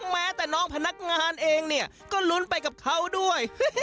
แม้แต่น้องพนักงานเองเนี่ยก็ลุ้นไปกับเขาด้วย